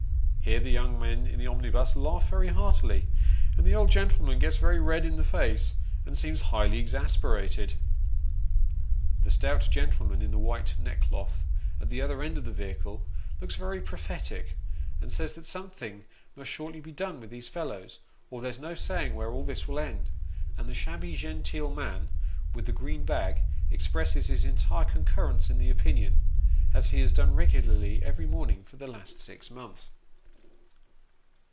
Here the young men in the omnibus laugh very heartily, and the old gentleman gets very red in the face, and seems highly exasperated. The stout gentleman in the white neckcloth, at the other end of the vehicle, looks very prophetic, and says that something must shortly be done with these fellows, or there's no saying where all this will end ; and the shabby genteel man with the green bag, expresses his entire concurrence in the opinion, as he has done regularly every morning for the last six months.